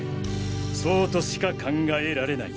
そうとしか考えられない。